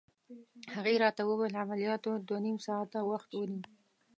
هغې راته وویل: عملياتو دوه نيم ساعته وخت ونیو.